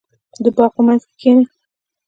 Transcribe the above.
• د باغ په منځ کې کښېنه.